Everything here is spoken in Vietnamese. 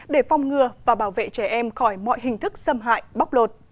để phong ngừa và bảo vệ trẻ em khỏi mọi hình thức xâm hại bóc lột